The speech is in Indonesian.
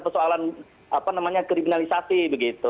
persoalan apa namanya kriminalisasi begitu